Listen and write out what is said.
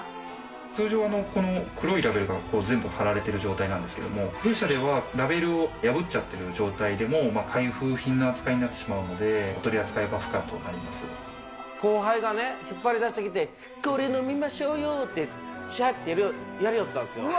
通常、この黒いラベルが全部貼られている状態なんですけど、弊社では、ラベルを破っちゃってる状態でも、開封品の扱いになってしまうので、後輩がね、引っ張り出してきて、これ飲みましょうよって、しゃーってやりよったんですよ。